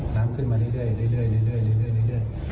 น้ำขึ้นมาเรื่อยเรื่อยเรื่อย